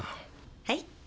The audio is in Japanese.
はい？